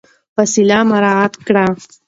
فاصله مراعات کړئ.